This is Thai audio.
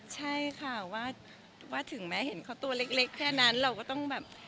ใช่ค่ะว่าถึงแม้เห็นเขาตัวเล็กแค่นั้นเราก็ต้องแบบ